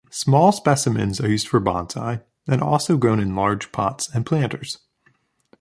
Small specimens are used for Bonsai, and also grown in large pots and planters.